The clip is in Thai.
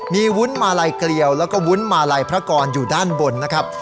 มีวุ้นมาลัยเกลียวแล้วก็วุ้นมาลัยพระกรอยู่ด้านบนนะครับ